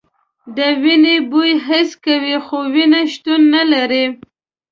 د وینې بوی حس کوي خو وینه شتون نه لري.